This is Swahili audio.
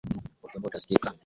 Ukiomba utasikika.